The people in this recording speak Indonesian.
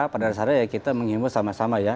pada dasarnya kita mengimba sama sama ya